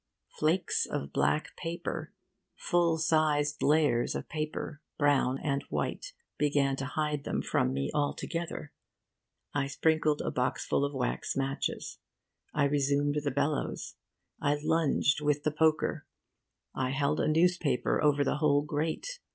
Flakes of black paper, full sized layers of paper brown and white, began to hide them from me altogether. I sprinkled a boxful of wax matches. I resumed the bellows. I lunged with the poker. I held a newspaper over the whole grate.